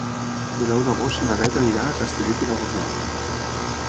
El deu d'agost na Bet anirà a Castellet i la Gornal.